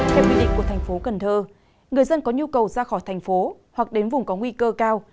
theo quy định của thành phố cần thơ người dân có nhu cầu ra khỏi thành phố hoặc đến vùng có nguy cơ cao